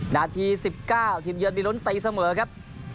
นาที๑๙ทีมเยือนมีลุ้นตีเสมอครับ